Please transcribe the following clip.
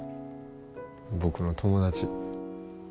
僕の友達。